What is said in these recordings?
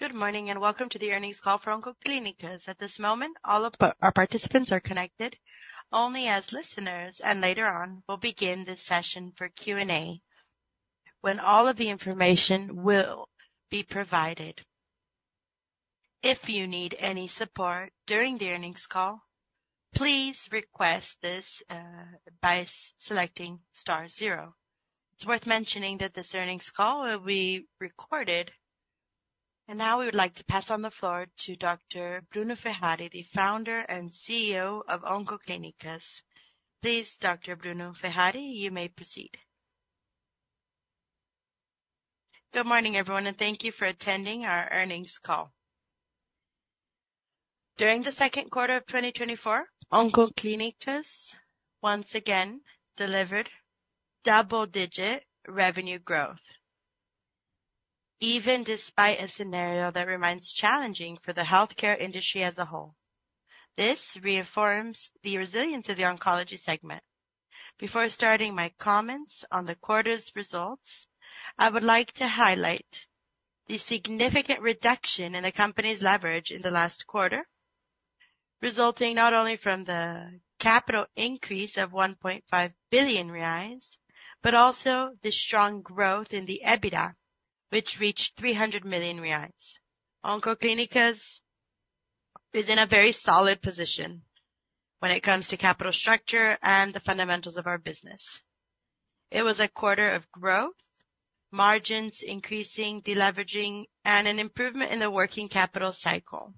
Good morning, and welcome to the earnings call for Oncoclínicas. At this moment, all of our participants are connected only as listeners, and later on, we'll begin this session for Q&A, when all of the information will be provided. If you need any support during the earnings call, please request this by selecting star zero. It's worth mentioning that this earnings call will be recorded. Now we would like to pass on the floor to Dr. Bruno Ferrari, the Founder and CEO of Oncoclínicas. Please, Dr. Bruno Ferrari, you may proceed. Good morning, everyone, and thank you for attending our earnings call. During the second quarter of 2024, Oncoclínicas once again delivered double-digit revenue growth, even despite a scenario that remains challenging for the healthcare industry as a whole. This reaffirms the resilience of the oncology segment. Before starting my comments on the quarter's results, I would like to highlight the significant reduction in the company's leverage in the last quarter, resulting not only from the capital increase of 1.5 billion reais, but also the strong growth in the EBITDA, which reached 300 million reais. Oncoclínicas is in a very solid position when it comes to capital structure and the fundamentals of our business. It was a quarter of growth, margins increasing, de-leveraging, and an improvement in the working capital cycle.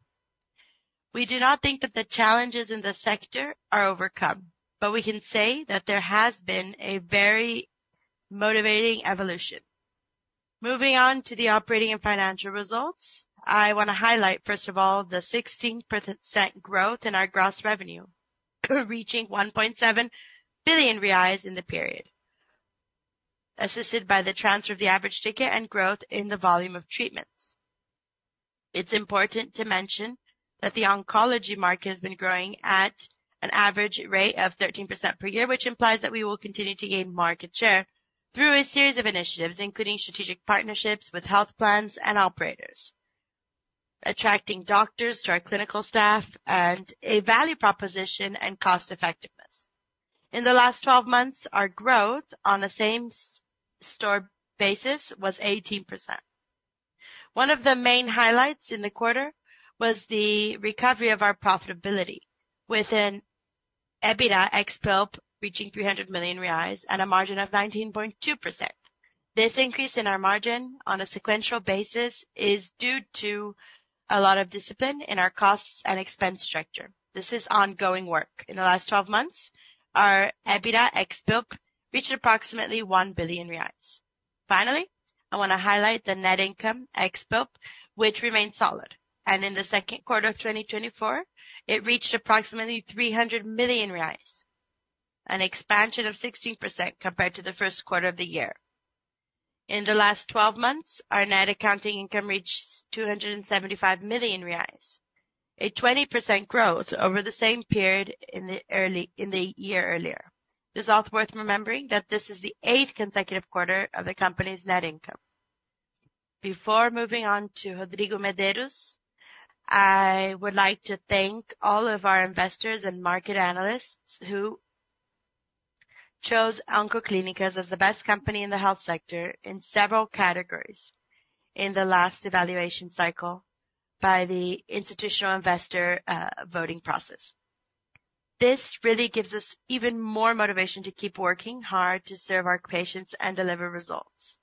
We do not think that the challenges in the sector are overcome, but we can say that there has been a very motivating evolution. Moving on to the operating and financial results, I want to highlight, first of all, the 16% growth in our gross revenue, reaching 1.7 billion reais in the period, assisted by the transfer of the average ticket and growth in the volume of treatments. It's important to mention that the oncology market has been growing at an average rate of 13% per year, which implies that we will continue to gain market share through a series of initiatives, including strategic partnerships with health plans and operators, attracting doctors to our clinical staff and a value proposition and cost effectiveness. In the last 12 months, our growth on the same store basis was 18%. One of the main highlights in the quarter was the recovery of our profitability, within EBITDA ex-PILP reaching 300 million reais at a margin of 19.2%. This increase in our margin on a sequential basis is due to a lot of discipline in our costs and expense structure. This is ongoing work. In the last 12 months, our EBITDA ex-PILP reached approximately 1 billion reais. Finally, I want to highlight the net income ex-PILP, which remains solid, and in the second quarter of 2024, it reached approximately 300 million reais, an expansion of 16% compared to the first quarter of the year. In the last 12 months, our net accounting income reached 275 million reais, a 20% growth over the same period in the year earlier. It's also worth remembering that this is the 8th consecutive quarter of the company's net income. Before moving on to Rodrigo Medeiros, I would like to thank all of our investors and market analysts who chose Oncoclínicas as the best company in the health sector in several categories in the last evaluation cycle by the Institutional Investor voting process. This really gives us even more motivation to keep working hard to serve our patients and deliver results.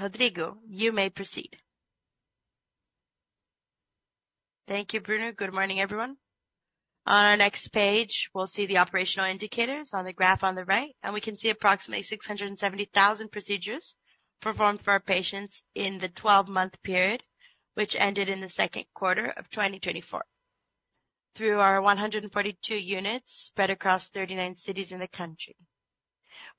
Rodrigo, you may proceed. Thank you, Bruno. Good morning, everyone. On our next page, we'll see the operational indicators on the graph on the right, and we can see approximately 670,000 procedures performed for our patients in the twelve-month period, which ended in the second quarter of 2024, through our 142 units spread across 39 cities in the country.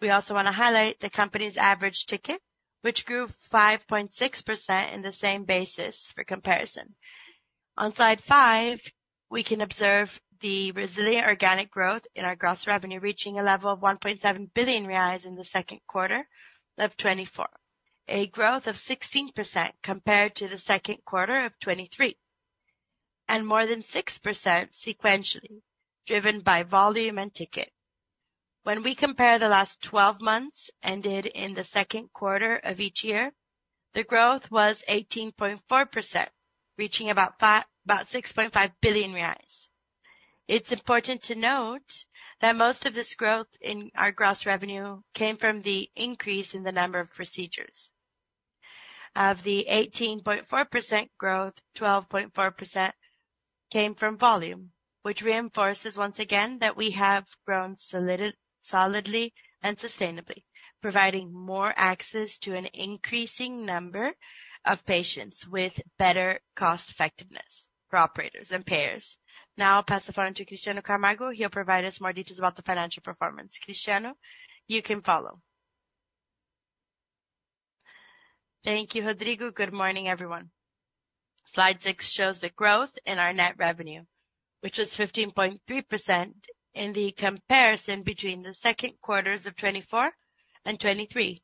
We also want to highlight the company's average ticket, which grew 5.6% in the same basis for comparison. On slide five, we can observe the resilient organic growth in our gross revenue, reaching a level of 1.7 billion reais in the second quarter of 2024, a growth of 16% compared to the second quarter of 2023, and more than 6% sequentially, driven by volume and ticket. When we compare the last 12 months, ended in the second quarter of each year, the growth was 18.4%, reaching about 6.5 billion reais. It's important to note that most of this growth in our gross revenue came from the increase in the number of procedures. Of the 18.4% growth, 12.4% came from volume, which reinforces once again that we have grown solidly and sustainably, providing more access to an increasing number of patients with better cost effectiveness for operators and payers. Now I'll pass the phone to Cristiano Camargo. He'll provide us more details about the financial performance. Cristiano, you can follow. Thank you, Rodrigo. Good morning, everyone. Slide 6 shows the growth in our net revenue, which was 15.3% in the comparison between the second quarters of 2024 and 2023.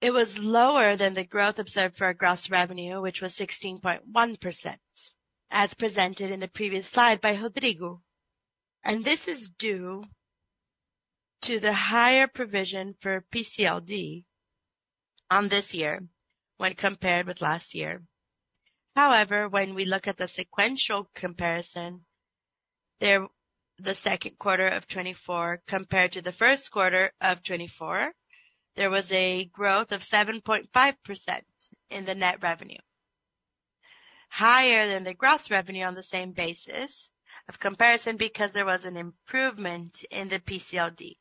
It was lower than the growth observed for our gross revenue, which was 16.1%, as presented in the previous slide by Rodrigo, and this is due to the higher provision for PCLD on this year when compared with last year. However, when we look at the sequential comparison, there, the second quarter of 2024 compared to the first quarter of 2024, there was a growth of 7.5% in the net revenue, higher than the gross revenue on the same basis of comparison, because there was an improvement in the PCLD.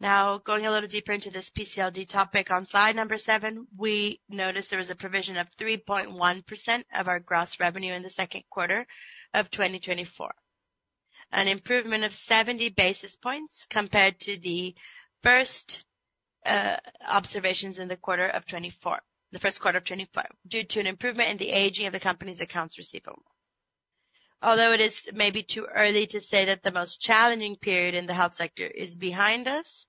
Now, going a little deeper into this PCLD topic on slide 7, we noticed there was a provision of 3.1% of our gross revenue in the second quarter of 2024. An improvement of 70 basis points compared to the first observations in the first quarter of 2024, due to an improvement in the aging of the company's accounts receivable. Although it is maybe too early to say that the most challenging period in the health sector is behind us,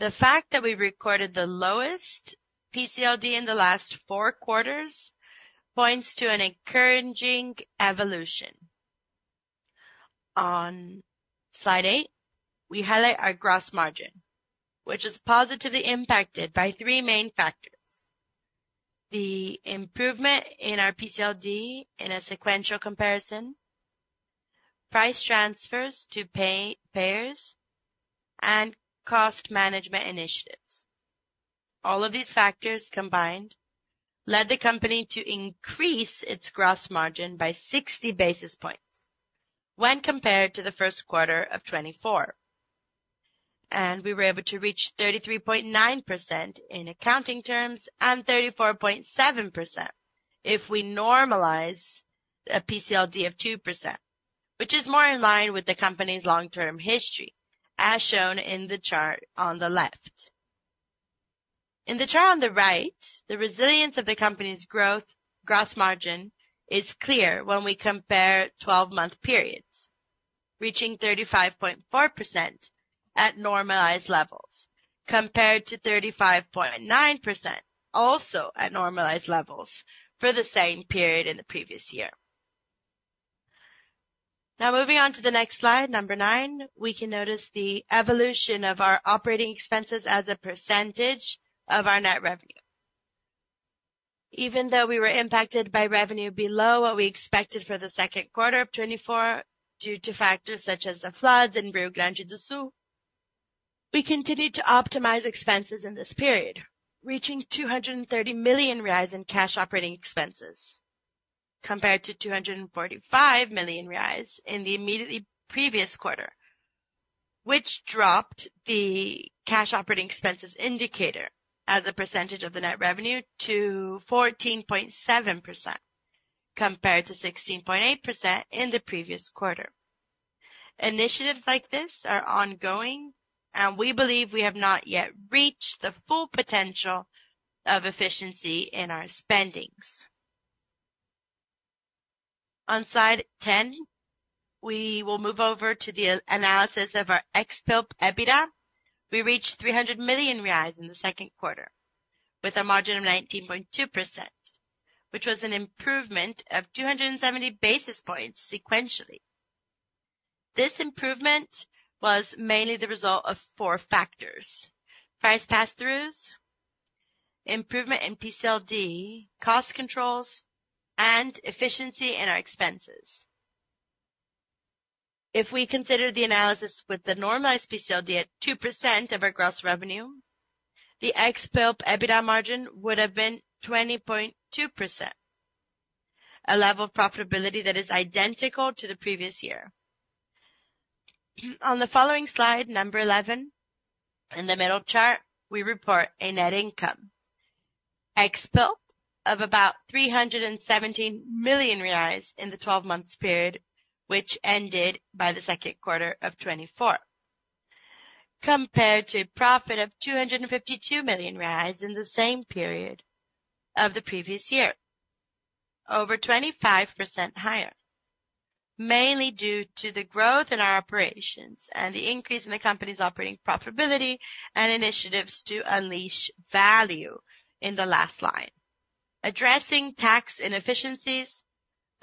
the fact that we recorded the lowest PCLD in the last four quarters points to an encouraging evolution. On slide 8, we highlight our gross margin, which is positively impacted by three main factors: the improvement in our PCLD in a sequential comparison, price transfers to payers, and cost management initiatives. All of these factors combined led the company to increase its gross margin by 60 basis points when compared to the first quarter of 2024. We were able to reach 33.9% in accounting terms and 34.7% if we normalize a PCLD of 2%, which is more in line with the company's long-term history, as shown in the chart on the left. In the chart on the right, the resilience of the company's growth, gross margin, is clear when we compare 12-month periods, reaching 35.4% at normalized levels, compared to 35.9%, also at normalized levels, for the same period in the previous year. Now, moving on to the next slide, number 9, we can notice the evolution of our operating expenses as a percentage of our net revenue. Even though we were impacted by revenue below what we expected for the second quarter of 2024, due to factors such as the floods in Rio Grande do Sul, we continued to optimize expenses in this period, reaching 230 million in cash operating expenses, compared to 245 million in the immediately previous quarter. Which dropped the cash operating expenses indicator as a percentage of the net revenue to 14.7%, compared to 16.8% in the previous quarter. Initiatives like this are ongoing, and we believe we have not yet reached the full potential of efficiency in our spendings. On slide 10, we will move over to the analysis of our ex-PILP EBITDA. We reached 300 million reais in the second quarter with a margin of 19.2%, which was an improvement of 270 basis points sequentially. This improvement was mainly the result of four factors: price pass-throughs, improvement in PCLD, cost controls, and efficiency in our expenses. If we consider the analysis with the normalized PCLD at 2% of our gross revenue, the ex-PILP EBITDA margin would have been 20.2%, a level of profitability that is identical to the previous year. On the following slide, number 11, in the middle chart, we report a net income, ex-PILP, of about 317 million reais in the 12-month period, which ended by the second quarter of 2024. Compared to a profit of 252 million in the same period of the previous year, over 25% higher, mainly due to the growth in our operations and the increase in the company's operating profitability and initiatives to unleash value in the last line, addressing tax inefficiencies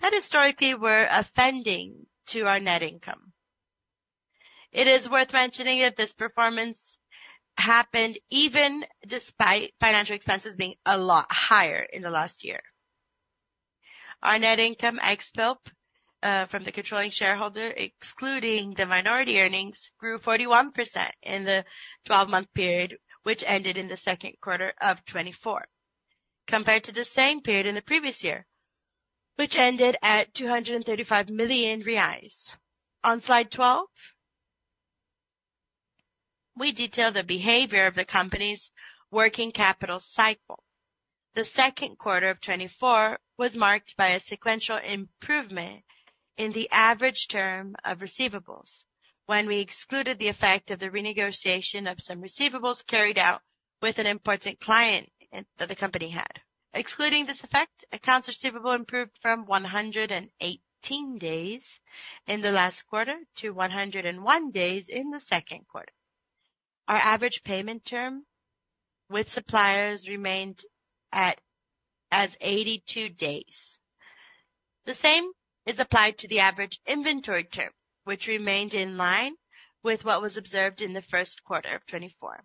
that historically were offending to our net income. It is worth mentioning that this performance happened even despite financial expenses being a lot higher in the last year. Our net income, ex-PILP, from the controlling shareholder, excluding the minority earnings, grew 41% in the 12-month period, which ended in the second quarter of 2024, compared to the same period in the previous year, which ended at 235 million reais. On slide 12, we detail the behavior of the company's working capital cycle. The second quarter of 2024 was marked by a sequential improvement in the average term of receivables, when we excluded the effect of the renegotiation of some receivables carried out with an important client that the company had. Excluding this effect, accounts receivable improved from 118 days in the last quarter to 101 days in the second quarter. Our average payment term with suppliers remained at 82 days. The same is applied to the average inventory term, which remained in line with what was observed in the first quarter of 2024.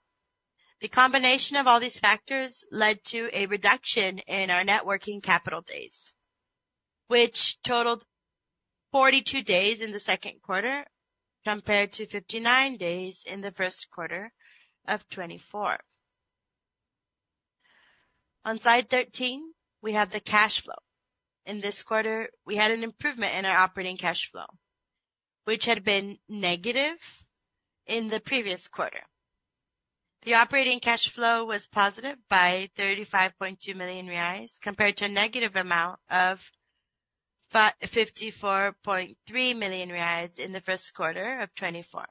The combination of all these factors led to a reduction in our net working capital days, which totaled 42 days in the second quarter, compared to 59 days in the first quarter of 2024. On slide 13, we have the cash flow. In this quarter, we had an improvement in our operating cash flow, which had been negative in the previous quarter. The operating cash flow was positive by 35.2 million reais, compared to a negative amount of fifty-four point three million reais in the first quarter of 2024.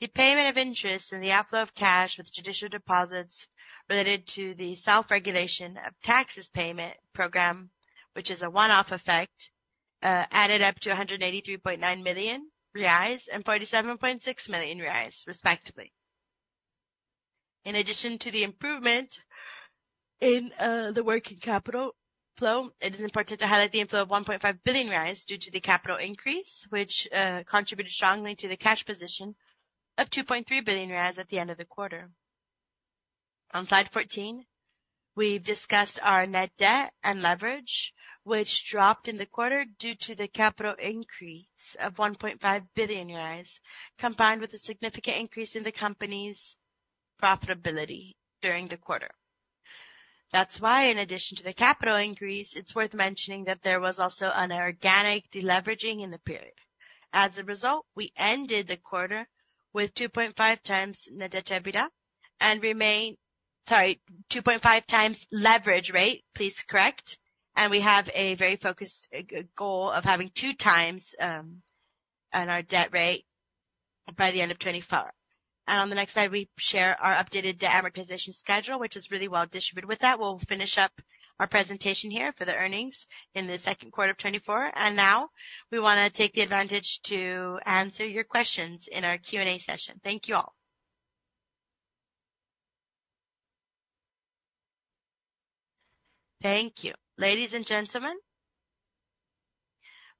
The payment of interest and the outflow of cash with judicial deposits related to the self-regulation of taxes payment program, which is a one-off effect, added up to 183.9 million reais and 47.6 million reais, respectively. In addition to the improvement in the working capital flow, it is important to highlight the inflow of 1.5 billion due to the capital increase, which contributed strongly to the cash position of 2.3 billion at the end of the quarter. On slide 14, we've discussed our net debt and leverage, which dropped in the quarter due to the capital increase of BRL 1.5 billion, combined with a significant increase in the company's profitability during the quarter. That's why, in addition to the capital increase, it's worth mentioning that there was also an organic deleveraging in the period. As a result, we ended the quarter with 2.5 times net debt to EBITDA and remain—Sorry, 2.5 times leverage rate, please correct. We have a very focused goal of having 2 times on our debt rate by the end of 2024. On the next slide, we share our updated debt amortization schedule, which is really well distributed. With that, we'll finish up our presentation here for the earnings in the second quarter of 2024. Now we wanna take the advantage to answer your questions in our Q&A session. Thank you all. Thank you. Ladies and gentlemen,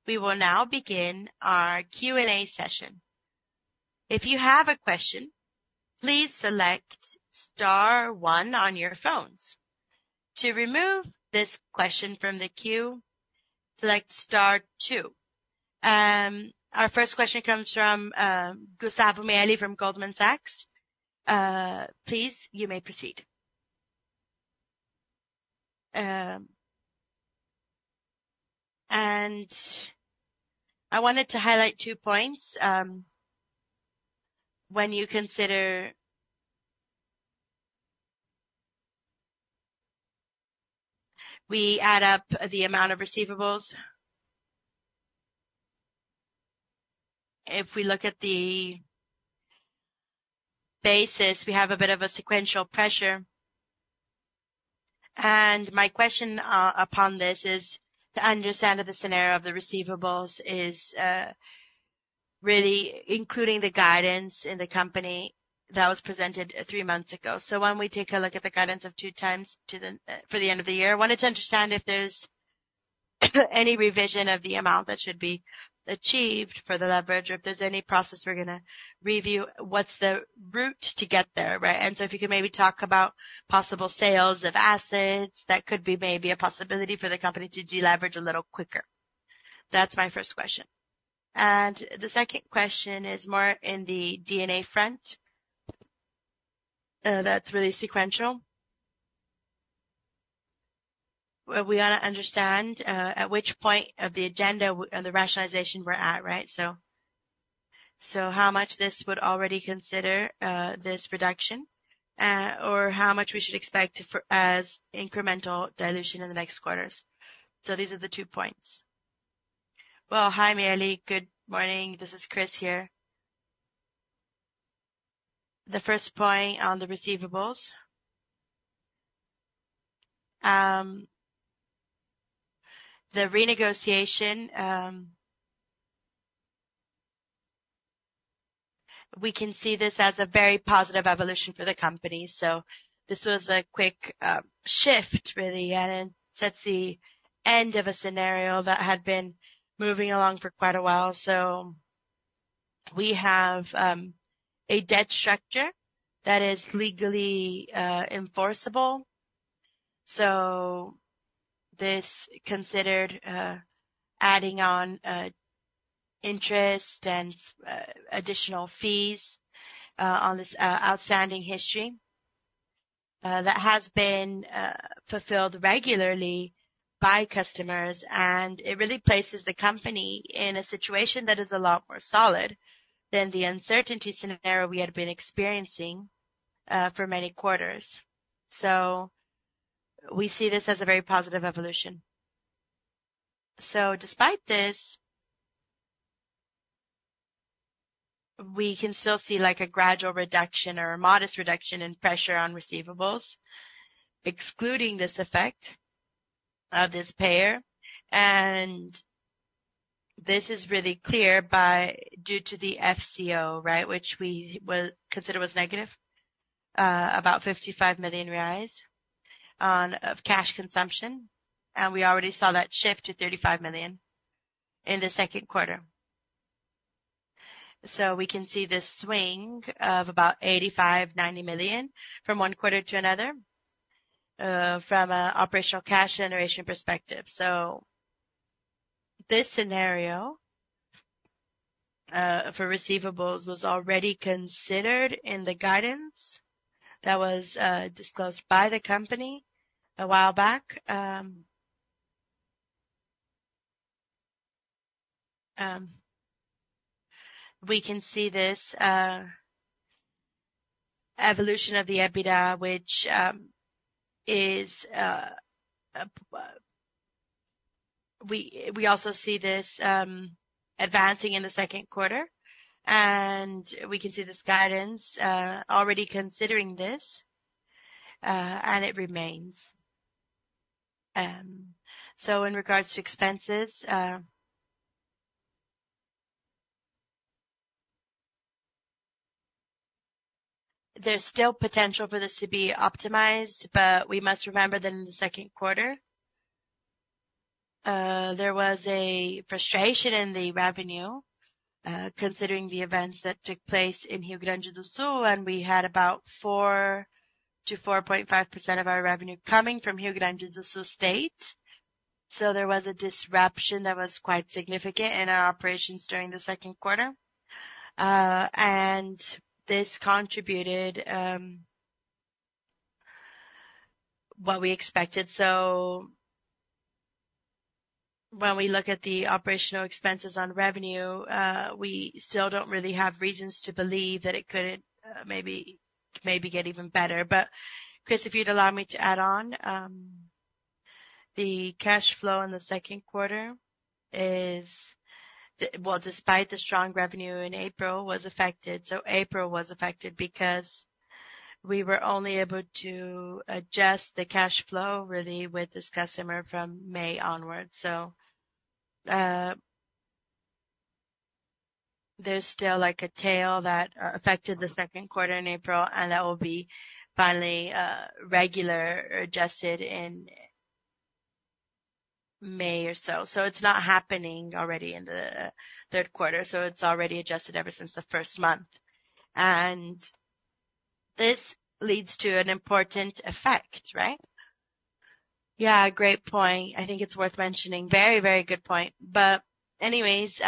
we will now begin our Q&A session. If you have a question, please select star one on your phones. To remove this question from the queue, select star two. Our first question comes from Gustavo Miele from Goldman Sachs. Please, you may proceed. I wanted to highlight 2 points when you consider we add up the amount of receivables. If we look at the basis, we have a bit of a sequential pressure. And my question upon this is to understand that the scenario of the receivables is really including the guidance in the company that was presented three months ago. So when we take a look at the guidance of 2x for the end of the year, I wanted to understand if there's any revision of the amount that should be achieved for the leverage, or if there's any process we're gonna review, what's the route to get there, right? And so if you could maybe talk about possible sales of assets, that could be maybe a possibility for the company to deleverage a little quicker. That's my first question. And the second question is more in the G&A front, that's really sequential. We wanna understand at which point of the agenda the rationalization we're at, right? So how much this would already consider this reduction or how much we should expect for as incremental dilution in the next quarters? So these are the two points. Well, hi, Miele. Good morning. This is Cris here. The first point on the receivables. The renegotiation... We can see this as a very positive evolution for the company, so this was a quick shift, really, and it sets the end of a scenario that had been moving along for quite a while. So we have a debt structure that is legally enforceable. So this considered adding on interest and additional fees on this outstanding history that has been fulfilled regularly.... by customers, and it really places the company in a situation that is a lot more solid than the uncertainties and error we had been experiencing for many quarters. So we see this as a very positive evolution. So despite this, we can still see like a gradual reduction or a modest reduction in pressure on receivables, excluding this effect of this payer. And this is really clear due to the FCO, right, which we will consider was negative about 55 million reais of cash consumption, and we already saw that shift to 35 million in the second quarter. So we can see this swing of about 85-90 million from one quarter to another from a operational cash generation perspective. So this scenario for receivables was already considered in the guidance that was disclosed by the company a while back. We can see this evolution of the EBITDA, which we also see advancing in the second quarter, and we can see this guidance already considering this, and it remains. So in regards to expenses, there's still potential for this to be optimized, but we must remember that in the second quarter, there was a frustration in the revenue, considering the events that took place in Rio Grande do Sul, and we had about 4%-4.5% of our revenue coming from Rio Grande do Sul state. So there was a disruption that was quite significant in our operations during the second quarter. And this contributed what we expected. So when we look at the operational expenses on revenue, we still don't really have reasons to believe that it couldn't, maybe, maybe get even better. But, Chris, if you'd allow me to add on, the cash flow in the second quarter is well, despite the strong revenue in April, was affected. So April was affected because we were only able to adjust the cash flow really with this customer from May onwards. So, there's still, like, a tail that affected the second quarter in April, and that will be finally, regular or adjusted in May or so. So it's not happening already in the third quarter, so it's already adjusted ever since the first month. And this leads to an important effect, right? Yeah, great point. I think it's worth mentioning. Very, very good point. But anyways,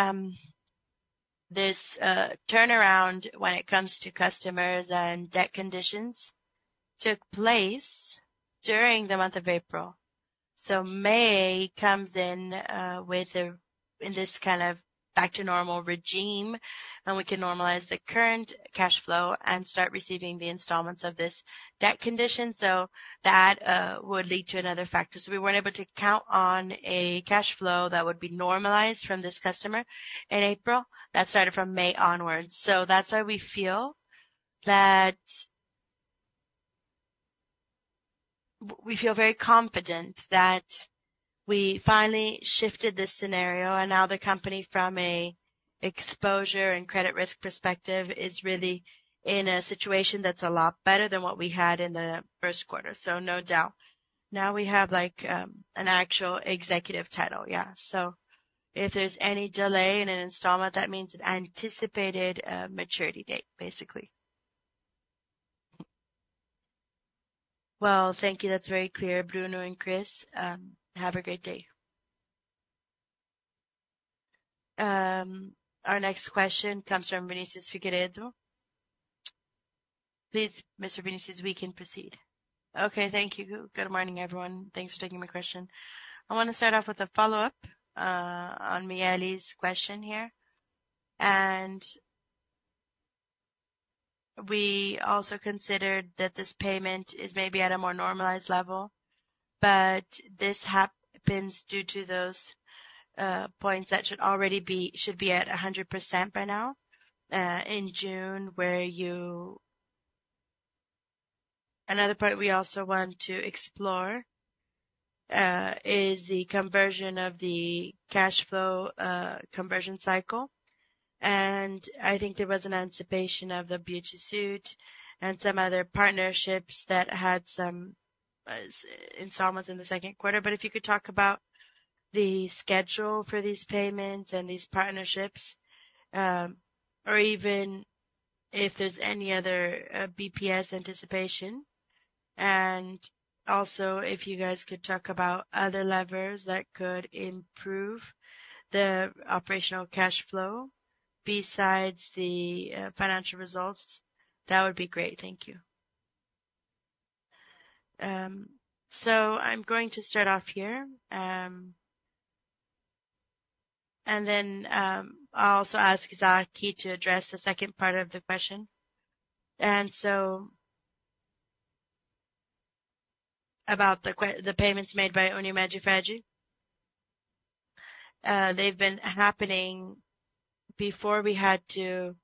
this turnaround when it comes to customers and debt conditions took place during the month of April. So May comes in, with a in this kind of back to normal regime, and we can normalize the current cash flow and start receiving the installments of this debt condition. So that would lead to another factor. So we weren't able to count on a cash flow that would be normalized from this customer in April. That started from May onwards. So that's why we feel that we feel very confident that we finally shifted this scenario, and now the company, from a exposure and credit risk perspective, is really in a situation that's a lot better than what we had in the first quarter. So no doubt. Now we have, like, an actual executive title. Yeah. So if there's any delay in an installment, that means an anticipated, maturity date, basically. Well, thank you. That's very clear, Bruno and Chris. Have a great day. Our next question comes from Vinícius Figueiredo. Please, Mr. Vinícius, we can proceed. Okay, thank you. Good morning, everyone. Thanks for taking my question. I want to start off with a follow-up, on Miele's question here. We also considered that this payment is maybe at a more normalized level, but this happens due to those, points that should already be—should be at 100% by now, in June, where you... Another part we also want to explore, is the conversion of the cash flow, conversion cycle. I think there was an anticipation of the BTS and some other partnerships that had some, installments in the second quarter. But if you could talk about the schedule for these payments and these partnerships, or even if there's any other BTS anticipation. And also, if you guys could talk about other levers that could improve the operational cash flow besides the financial results, that would be great. Thank you. So I'm going to start off here. Then I'll also ask [Zaki] to address the second part of the question. So about the payments made by Unimed Ferj. They've been happening before we had to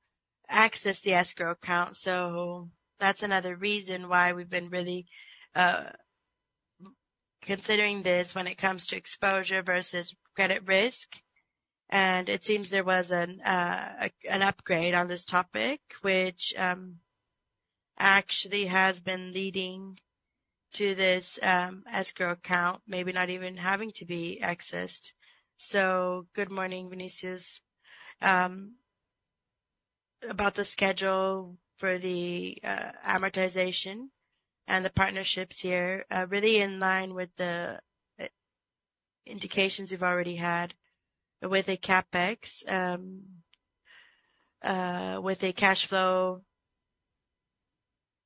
access the escrow account, so that's another reason why we've been really considering this when it comes to exposure versus credit risk. And it seems there was an upgrade on this topic, which actually has been leading to this escrow account, maybe not even having to be accessed. Good morning, Vinicius. About the schedule for the amortization and the partnerships here, really in line with the indications we've already had with the CapEx. With the cash flow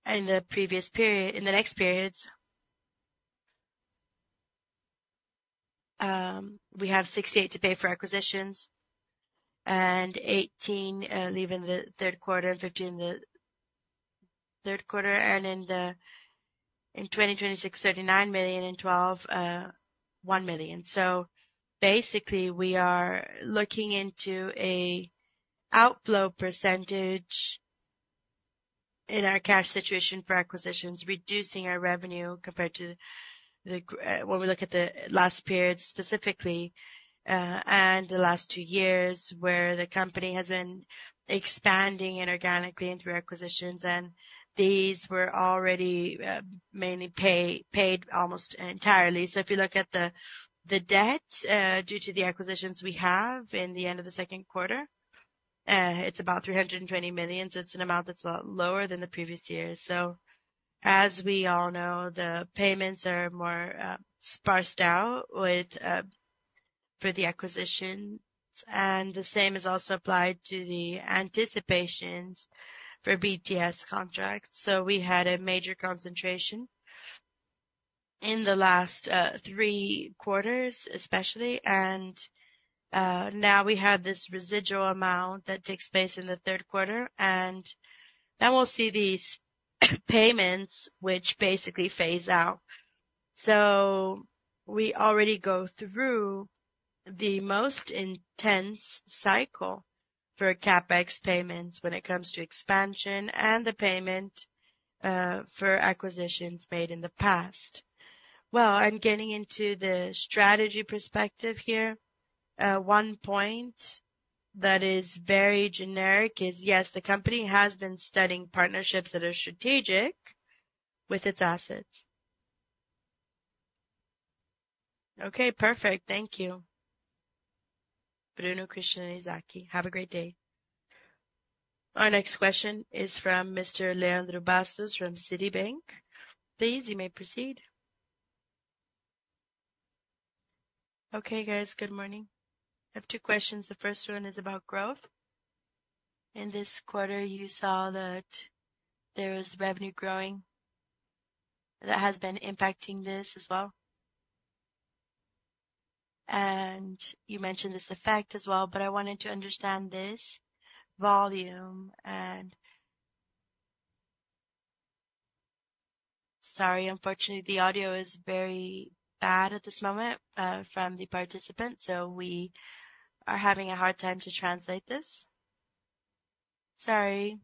in the previous period, in the next periods, we have 68 to pay for acquisitions and 18 in the third quarter, 15 in the third quarter, and in 2026, 39 million and 12.1 million. So basically, we are looking into a outflow percentage in our cash situation for acquisitions, reducing our revenue compared to when we look at the last period, specifically, and the last two years, where the company has been expanding inorganically and through acquisitions, and these were already mainly paid almost entirely. So if you look at the debt due to the acquisitions we have at the end of the second quarter, it's about 320 million. So it's an amount that's a lot lower than the previous years. So as we all know, the payments are more spaced out with for the acquisitions, and the same is also applied to the anticipations for BTS contracts. So we had a major concentration in the last three quarters especially. And now we have this residual amount that takes place in the third quarter, and then we'll see these payments, which basically phase out. So we already go through the most intense cycle for CapEx payments when it comes to expansion and the payment for acquisitions made in the past. Well, I'm getting into the strategy perspective here. One point that is very generic is, yes, the company has been studying partnerships that are strategic with its assets. Okay, perfect. Thank you. Bruno, Cristiano, and [Zaki], have a great day. Our next question is from Mr. Leandro Bastos from Citibank. Please, you may proceed. Okay, guys, good morning. I have two questions. The first one is about growth. In this quarter, you saw that there was revenue growing that has been impacting this as well. And you mentioned this effect as well, but I wanted to understand this volume and— Sorry, unfortunately, the audio is very bad at this moment, from the participant, so we are having a hard time to translate this. Sorry.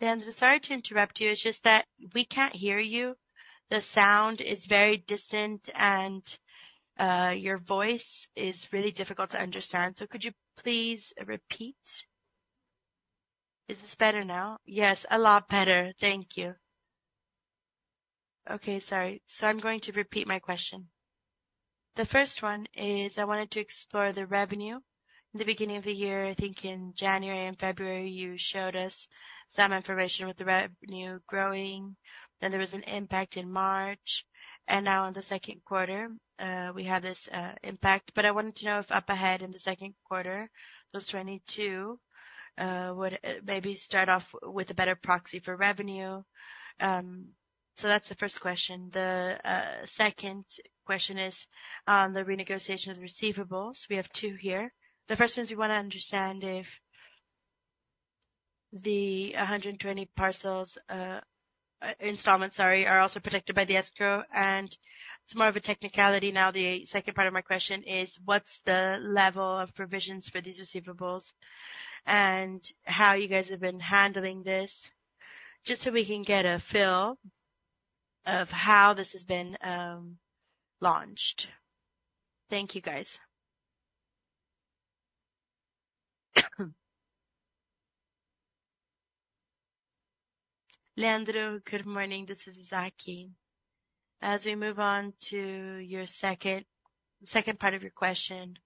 Leandro, sorry to interrupt you. It's just that we can't hear you. The sound is very distant, and your voice is really difficult to understand. So could you please repeat? Is this better now? Yes, a lot better. Thank you. Okay, sorry. So I'm going to repeat my question. The first one is, I wanted to explore the revenue. In the beginning of the year, I think in January and February, you showed us some information with the revenue growing. Then there was an impact in March, and now in the second quarter, we have this impact. But I wanted to know if up ahead in the second quarter, those 22 would maybe start off with a better proxy for revenue. So that's the first question. The second question is on the renegotiation of receivables. We have two here. The first is, we wanna understand if the 120 parcels, installments, sorry, are also protected by the escrow, and it's more of a technicality now. The second part of my question is, what's the level of provisions for these receivables? And how you guys have been handling this, just so we can get a feel of how this has been, launched. Thank you, guys. Leandro, good morning, this is [Zaki]. As we move on to your second, second part of your question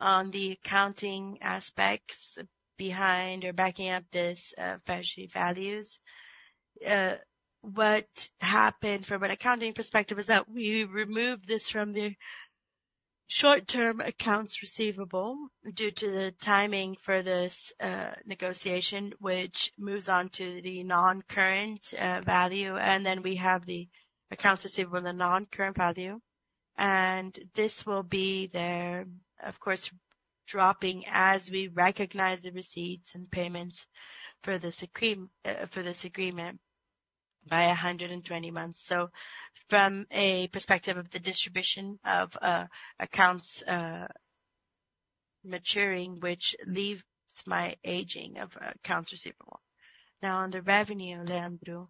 on the accounting aspects behind or backing up this, treasury values. What happened from an accounting perspective is that we removed this from the short-term accounts receivable, due to the timing for this, negotiation, which moves on to the non-current, value. And then we have the accounts receivable in the non-current value. And this will be there, of course, dropping as we recognize the receipts and payments for this agree, for this agreement by 120 months. So from a perspective of the distribution of accounts maturing, which leaves my aging of accounts receivable. Now, on the revenue, Leandro,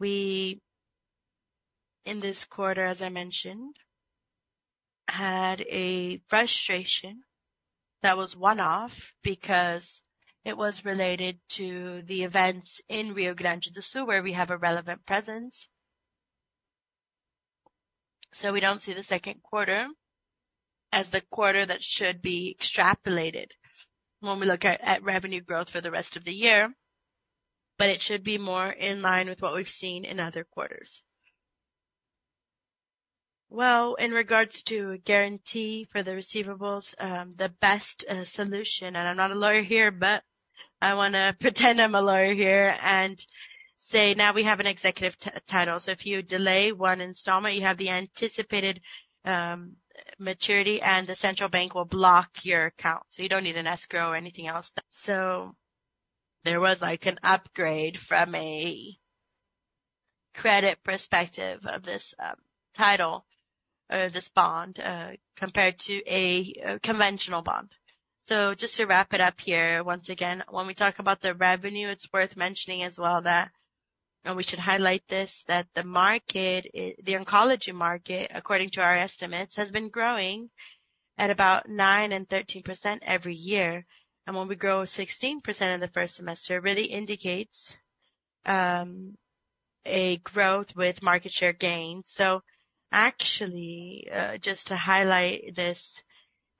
we, in this quarter, as I mentioned, had a frustration that was one-off because it was related to the events in Rio Grande do Sul, where we have a relevant presence. So we don't see the second quarter as the quarter that should be extrapolated when we look at revenue growth for the rest of the year, but it should be more in line with what we've seen in other quarters. Well, in regards to guarantee for the receivables, the best solution, and I'm not a lawyer here, but I wanna pretend I'm a lawyer here and say, now we have an executive title. So if you delay one installment, you have the anticipated maturity, and the central bank will block your account, so you don't need an escrow or anything else. So there was, like, an upgrade from a credit perspective of this title or this bond compared to a conventional bond. So just to wrap it up here, once again, when we talk about the revenue, it's worth mentioning as well that, and we should highlight this, that the market, the oncology market, according to our estimates, has been growing at about 9%-13% every year. And when we grow 16% in the first semester, it really indicates a growth with market share gain. So actually, just to highlight this,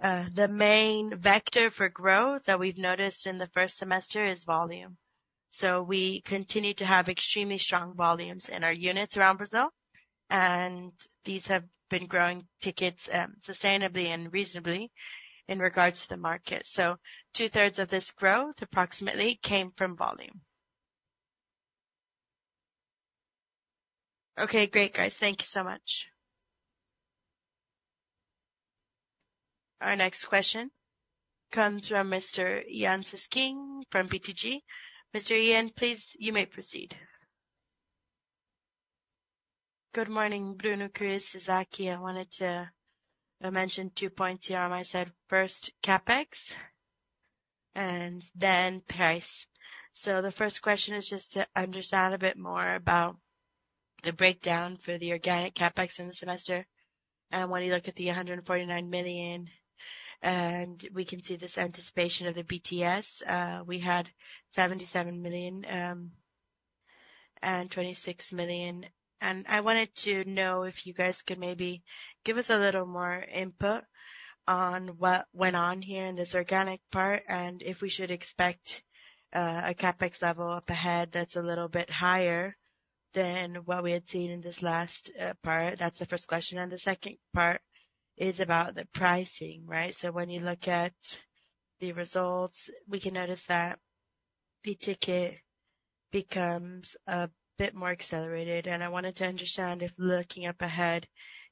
the main vector for growth that we've noticed in the first semester is volume. So we continue to have extremely strong volumes in our units around Brazil, and these have been growing tickets sustainably and reasonably in regards to the market. So two-thirds of this growth, approximately, came from volume. Okay, great, guys. Thank you so much. Our next question comes from Mr. Yan Cesquim from BTG. Mr. Yan, please, you may proceed. Good morning, Bruno, Cristiano, [Zaki]. I wanted to mention two points here on my side. First, CapEx and then price. So the first question is just to understand a bit more about the breakdown for the organic CapEx in the semester. And when you look at the 149 million, and we can see this anticipation of the BTS, we had 77 million and 26 million. I wanted to know if you guys could maybe give us a little more input on what went on here in this organic part, and if we should expect a CapEx level up ahead that's a little bit higher than what we had seen in this last part. That's the first question. The second part is about the pricing, right? When you look at the results, we can notice that the ticket becomes a bit more accelerated, and I wanted to understand if looking up ahead,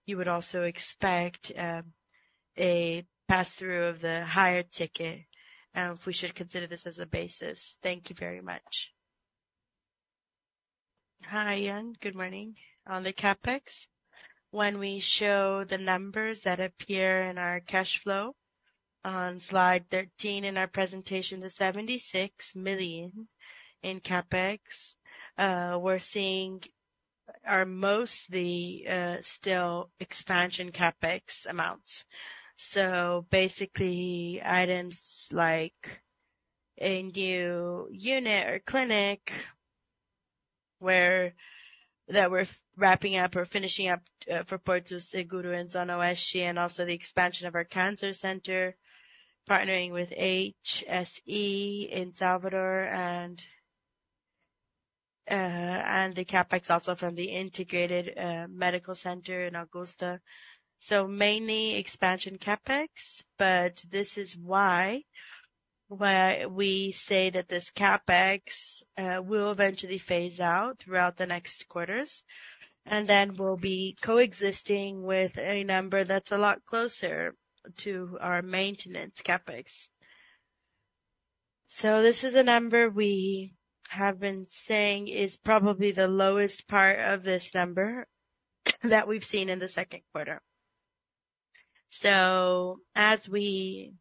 you would also expect a pass-through of the higher ticket, and if we should consider this as a basis. Thank you very much. Hi, Yan. Good morning. On the CapEx, when we show the numbers that appear in our cash flow on slide 13 in our presentation, the 76 million in CapEx we're seeing are mostly still expansion CapEx amounts. So basically, items like a new unit or clinic that we're wrapping up or finishing up for Porto Seguro and Zona Oeste, and also the expansion of our cancer center, partnering with HSI in Salvador, and the CapEx also from the integrated medical center in Augusta. So mainly expansion CapEx, but this is why we say that this CapEx will eventually phase out throughout the next quarters, and then we'll be coexisting with a number that's a lot closer to our maintenance CapEx. So this is a number we have been saying is probably the lowest part of this number that we've seen in the second quarter. So as we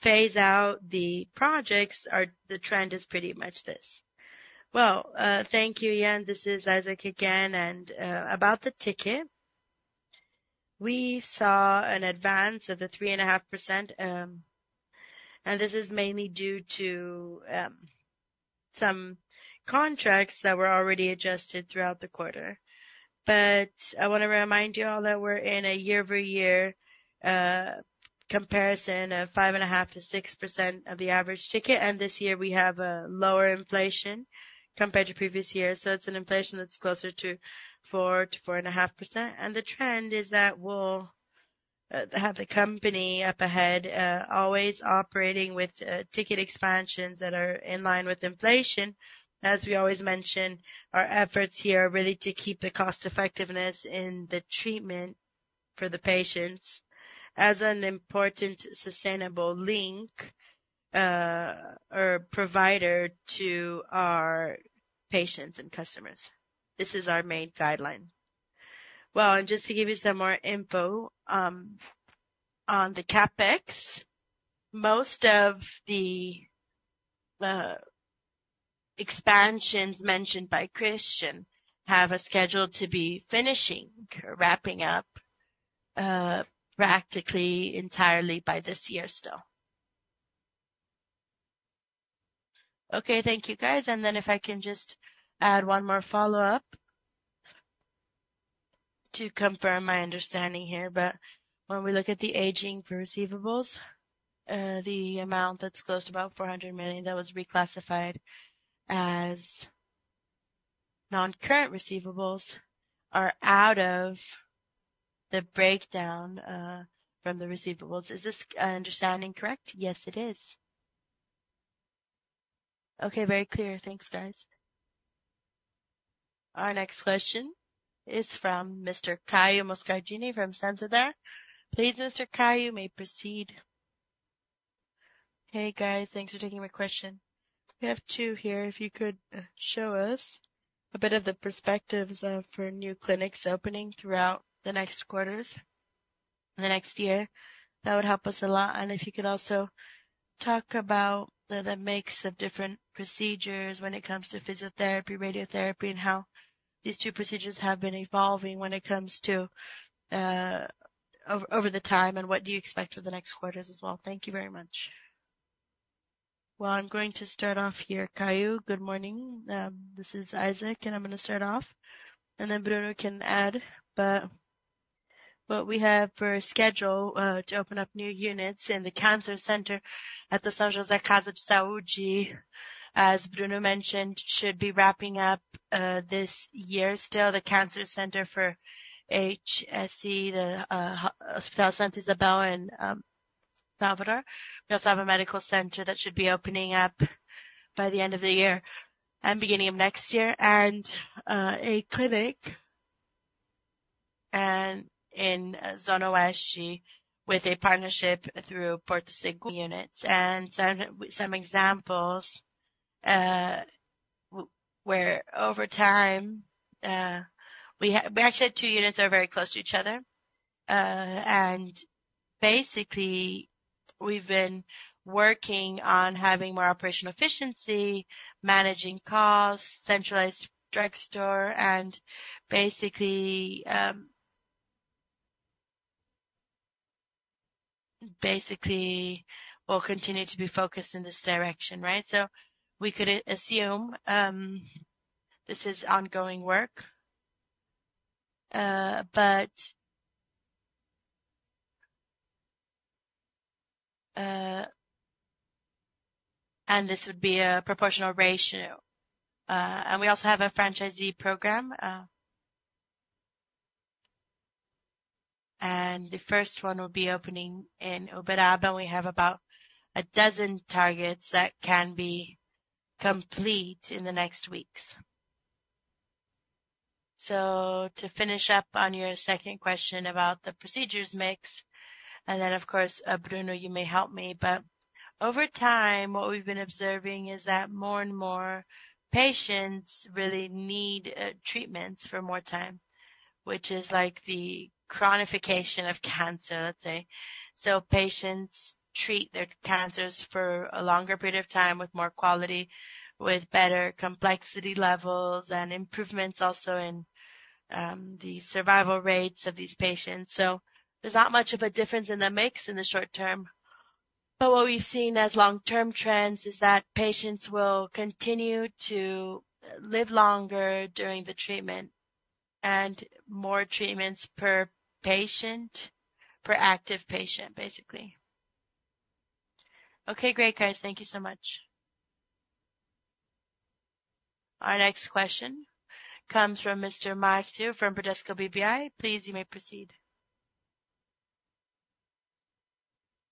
phase out the projects, the trend is pretty much this. Well, thank you, Yan. This is [Isaac] again, and about the ticket, we saw an advance of 3.5%, and this is mainly due to some contracts that were already adjusted throughout the quarter. But I want to remind you all that we're in a year-over-year comparison of 5.5%-6% of the average ticket, and this year we have a lower inflation compared to previous years. So it's an inflation that's closer to 4%-4.5%. And the trend is that we'll have the company up ahead, always operating with ticket expansions that are in line with inflation. As we always mention, our efforts here are really to keep the cost effectiveness in the treatment for the patients as an important sustainable link, or provider to our patients and customers. This is our main guideline. Well, and just to give you some more info, on the CapEx, most of the, expansions mentioned by Cristiano have a schedule to be finishing, wrapping up, practically entirely by this year still. Okay, thank you, guys. And then if I can just add one more follow-up to confirm my understanding here. But when we look at the aging for receivables, the amount that's close to about 400 million, that was reclassified as non-current receivables are out of the breakdown, from the receivables. Is this understanding correct? Yes, it is. Okay. Very clear. Thanks, guys. Our next question is from Mr. Caio Moscardini from Santander. Please, Mr. Caio, you may proceed. Hey, guys. Thanks for taking my question. We have two here. If you could show us a bit of the perspectives for new clinics opening throughout the next quarters and the next year, that would help us a lot. And if you could also talk about the mix of different procedures when it comes to physiotherapy, radiotherapy, and how these two procedures have been evolving when it comes to over the time, and what do you expect for the next quarters as well? Thank you very much. Well, I'm going to start off here, Caio. Good morning. This is [Isaac], and I'm gonna start off, and then Bruno can add. But what we have for schedule to open up new units in the cancer center at the Casa de Saúde São José, as Bruno mentioned, should be wrapping up this year still. The cancer center for HSI, Hospital Santa Izabel in Salvador. We also have a medical center that should be opening up by the end of the year and beginning of next year, and a clinic in Zona Oeste, with a partnership through Porto Seguro units. And some examples where over time we actually had two units that are very close to each other. And basically, we've been working on having more operational efficiency, managing costs, centralized drugstore, and basically, we'll continue to be focused in this direction, right? So we could assume this is ongoing work, but... This would be a proportional ratio. And we also have a franchisee program, and the first one will be opening in Uberaba. We have about a dozen targets that can be complete in the next weeks. So to finish up on your second question about the procedures mix, and then, of course, Bruno, you may help me. But over time, what we've been observing is that more and more patients really need treatments for more time, which is like the chronification of cancer, let's say. So patients treat their cancers for a longer period of time, with more quality, with better complexity levels, and improvements also in the survival rates of these patients. So there's not much of a difference in the mix in the short term. But what we've seen as long-term trends is that patients will continue to live longer during the treatment and more treatments per patient, per active patient, basically. Okay, great, guys. Thank you so much. Our next question comes from Mr. Márcio from Bradesco BBI. Please, you may proceed.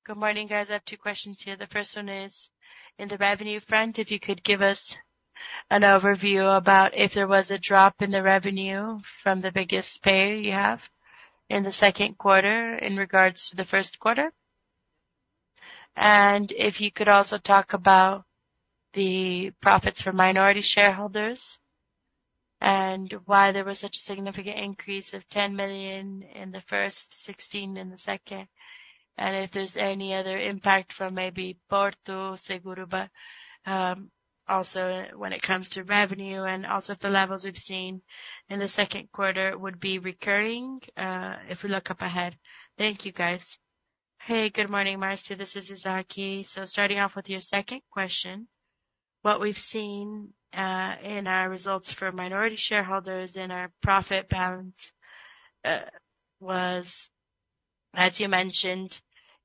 Good morning, guys. I have two questions here. The first one is, in the revenue front, if you could give us an overview about if there was a drop in the revenue from the biggest payer you have in the second quarter in regards to the first quarter. And if you could also talk about the profits for minority shareholders and why there was such a significant increase of 10 million in the first sixteen in the second, and if there's any other impact from maybe Porto Seguro, also when it comes to revenue, and also if the levels we've seen in the second quarter would be recurring, if we look up ahead. Thank you, guys. Hey, good morning, Márcio, this is [Zaki]. So starting off with your second question. What we've seen in our results for minority shareholders in our profit balance was, as you mentioned,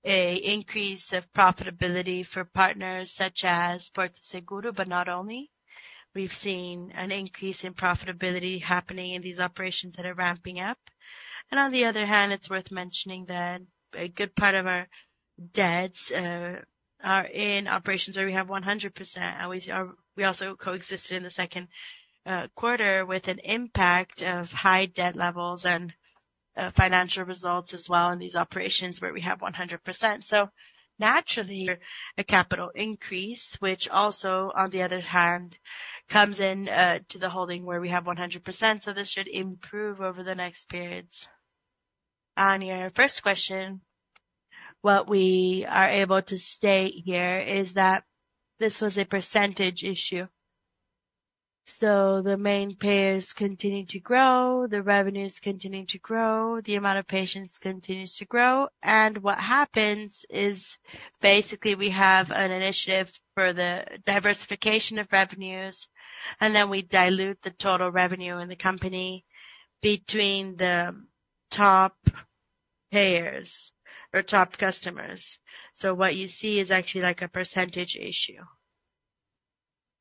an increase of profitability for partners such as Porto Seguro, but not only. We've seen an increase in profitability happening in these operations that are ramping up. And on the other hand, it's worth mentioning that a good part of our debts are in operations where we have 100%, and we also coexisted in the second quarter with an impact of high debt levels and financial results as well in these operations where we have 100%. So naturally, a capital increase, which also, on the other hand, comes in to the holding where we have 100%, so this should improve over the next periods. On your first question, what we are able to state here is that this was a percentage issue. So the main payers continue to grow, the revenues continue to grow, the amount of patients continues to grow. And what happens is, basically, we have an initiative for the diversification of revenues, and then we dilute the total revenue in the company between the top payers or top customers. So what you see is actually like a percentage issue.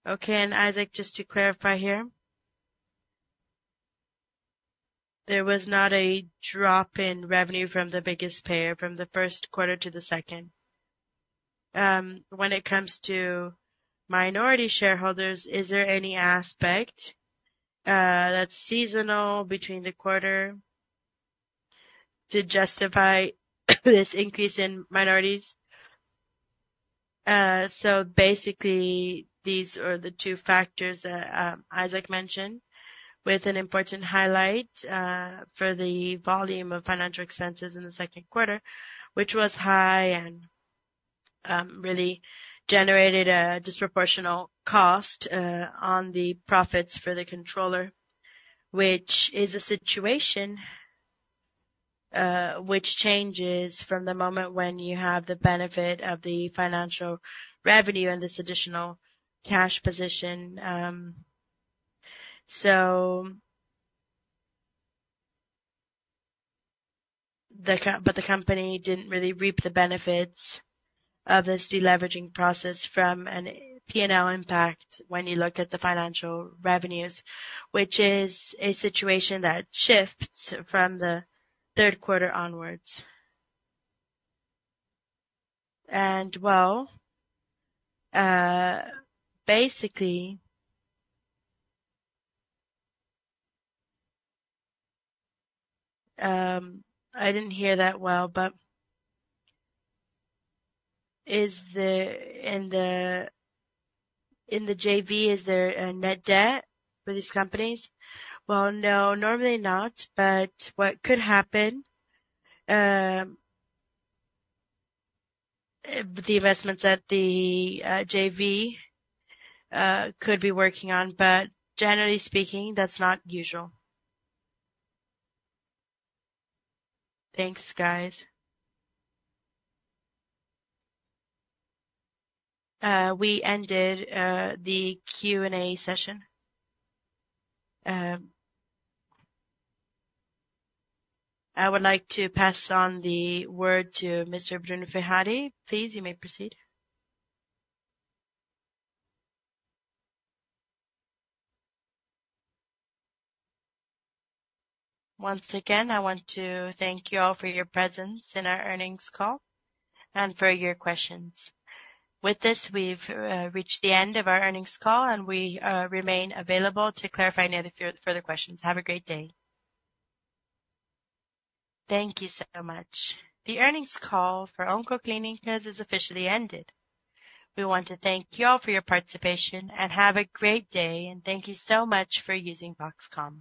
Okay, and [Isaac], just to clarify here? There was not a drop in revenue from the biggest payer from the first quarter to the second. When it comes to minority shareholders, is there any aspect that's seasonal between the quarter to justify this increase in minorities? So basically, these are the two factors that [Isaac] mentioned, with an important highlight for the volume of financial expenses in the second quarter, which was high and really generated a disproportional cost on the profits for the controller. Which is a situation which changes from the moment when you have the benefit of the financial revenue and this additional cash position, so... But the company didn't really reap the benefits of this deleveraging process from a P&L impact when you look at the financial revenues, which is a situation that shifts from the third quarter onwards. And well, basically, I didn't hear that well, but is the—in the, in the JV, is there a net debt for these companies? Well, no, normally not, but what could happen, the investments at the JV could be working on, but generally speaking, that's not usual. Thanks, guys. We ended the Q&A session. I would like to pass on the word to Mr. Bruno Ferrari. Please, you may proceed. Once again, I want to thank you all for your presence in our earnings call and for your questions. With this, we've reached the end of our earnings call, and we remain available to clarify any other further questions. Have a great day. Thank you so much. The earnings call for Oncoclínicas has officially ended. We want to thank you all for your participation, and have a great day, and thank you so much for using Voxcom.